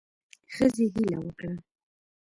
ښځې هیله وکړه